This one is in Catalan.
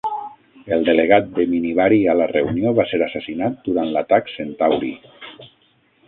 El delegat de Minibari a la reunió va ser assassinat durant l'atac Centauri.